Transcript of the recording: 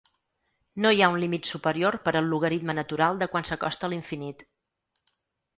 No hi ha un límit superior per al logaritme natural de quan s'acosta a l'infinit.